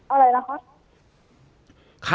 อะไรละครับ